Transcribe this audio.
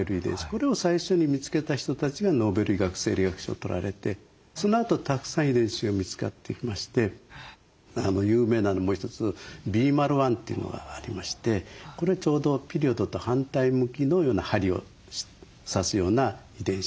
これを最初に見つけた人たちがノーベル医学・生理学賞をとられてそのあとたくさん遺伝子が見つかってきまして有名なのもう一つ「Ｂｍａｌ１」というのがありましてこれはちょうどピリオドと反対向きのような針を指すような遺伝子なんですね。